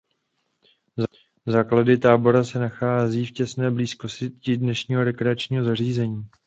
Základy tábora se nalézají v těsné blízkosti dnešního rekreačního zařízení.